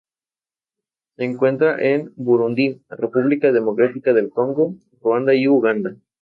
En las aplicaciones cerámicas predominan el color verde y azul.